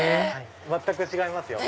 全く違いますよ。